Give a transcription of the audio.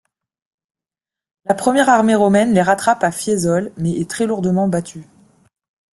La première armée romaine les rattrape à Fiesole, mais est très lourdement battue.